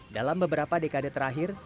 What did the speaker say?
dalam beberapa dekade terakhir